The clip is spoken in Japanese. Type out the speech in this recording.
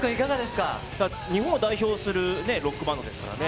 日本を代表するロックバンドですからね。